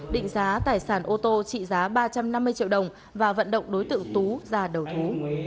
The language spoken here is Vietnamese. định giá tài sản ô tô trị giá ba trăm năm mươi triệu đồng và vận động đối tượng tú ra đầu thú